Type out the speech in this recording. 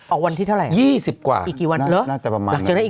วันที่เท่าไหร่ยี่สิบกว่าอีกกี่วันเหรอน่าจะประมาณหลังจากนั้นอีก